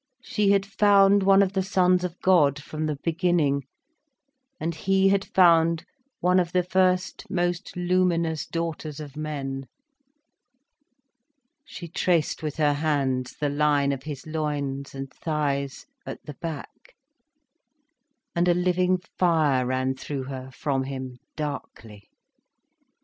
She had found one of the sons of God from the Beginning, and he had found one of the first most luminous daughters of men. She traced with her hands the line of his loins and thighs, at the back, and a living fire ran through her, from him, darkly.